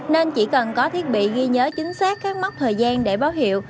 nên chỉ cần có thiết bị ghi nhớ chính xác các mốc thời gian để báo hiệu